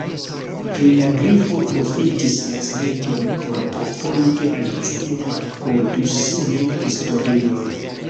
Kaj la Grifo profitis la silenton por proponi ke Alicio rakontu sian historion.